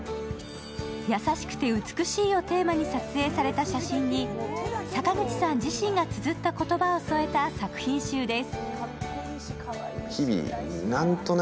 「優しくて美しい」をテーマに撮影された写真に坂口さん自身がつづった言葉を添えた作品集です。